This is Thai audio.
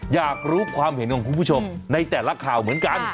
อยากรู้ความเห็นของคุณผู้ชมในแต่ละข่าวเหมือนกัน